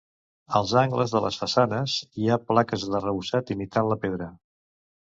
Als angles de les façanes, hi ha plaques d'arrebossat imitant la pedra.